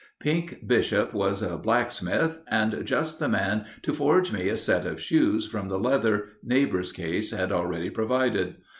Pink Bishop was a blacksmith, and just the man to forge me a set of shoes from the leather Neighbor Case had already provided.